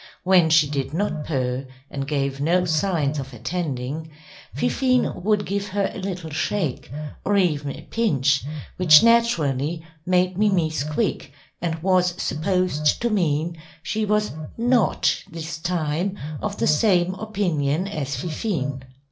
When she did not purr, and gave no signs of attending, Fifine would give her a little shake, or even a pinch, which naturally made Mimi squeak, and was supposed to mean she was not this time of the same opinion as Fifine.